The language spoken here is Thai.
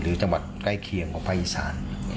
หรือจังหวัดใกล้เคียงกับไฟอีสาน